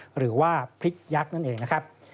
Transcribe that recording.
หรือว่าพริกยักษ์นั่นเองนะครับ